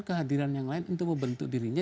kehadiran yang lain untuk membentuk dirinya